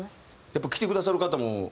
やっぱ来てくださる方も現地の方